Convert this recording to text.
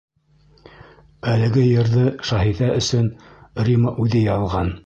Әлеге йырҙы Шаһиҙә өсөн Рима үҙе яҙған.